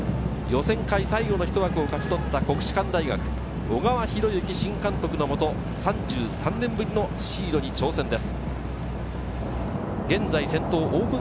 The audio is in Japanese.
予選会最後のひと枠を勝ち取った国士舘大学・小川博之新監督の下、３３年ぶりのシードに挑戦です。